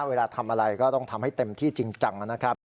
เวลาทำอะไรก็ต้องทำให้เต็มที่จริงจังนะครับ